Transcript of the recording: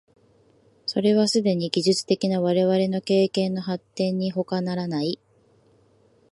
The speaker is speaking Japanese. それはすでに技術的な我々の経験の発展にほかならない。